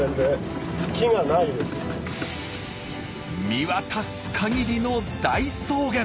見渡す限りの大草原！